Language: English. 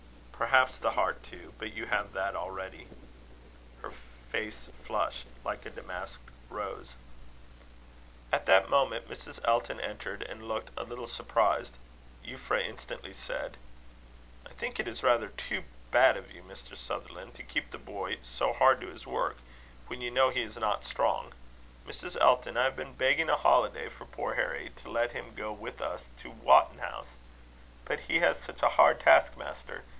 "Perhaps the heart too; but you have that already." Her face flushed like a damask rose. At that moment Mrs. Elton entered, and looked a little surprised. Euphra instantly said: "I think it is rather too bad of you, Mr. Sutherland, to keep the poor boy so hard to his work, when you know he is not strong. Mrs. Elton, I have been begging a holiday for poor Harry, to let him go with us to Wotton House; but he has such a hard task master!